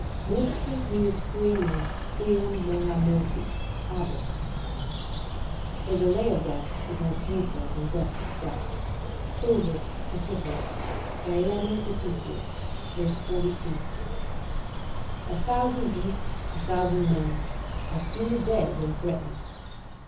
] "Morsque minus poenae, quam mora mortis, habet;" ["The delay of death is more painful than death itself." Ovid, Ep. Ariadne to Theseus, v. 42.] a thousand beasts, a thousand men, are sooner dead than threatened.